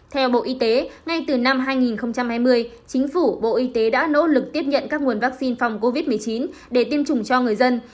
theo bộ y tế ngay từ năm hai nghìn hai mươi chính phủ bộ y tế đã nỗ lực tiếp nhận các nguồn vaccine phòng covid một mươi chín để tiêm chủng cho người dân